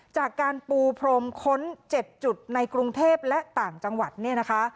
จากการปูพรมค้น๗จุดในกรุงเทพและต่างจังหวัดเนี่ยนะคะ